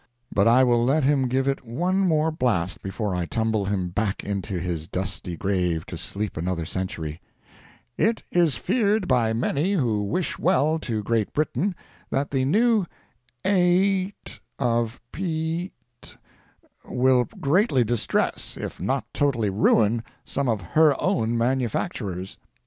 But I will let him give it one more blast before I tumble him back into his dusty grave to sleep another century: "It is fear'd by many who wish well to Great Britain, that the new A—t of P—t, will greatly distress, if not totally ruin, some of HER OWN manufactures.